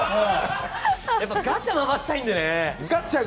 やっぱ、ガチャ回したいんでね。